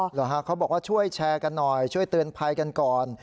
เหรอฮะเขาบอกว่าช่วยแชร์กันหน่อยช่วยเตือนภัยกันก่อน